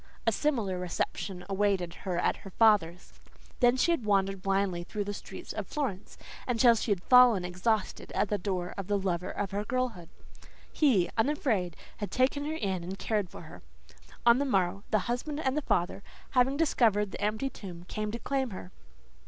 A similar reception awaited her at her father's. Then she had wandered blindly through the streets of Florence until she had fallen exhausted at the door of the lover of her girlhood. He, unafraid, had taken her in and cared for her. On the morrow, the husband and father, having discovered the empty tomb, came to claim her.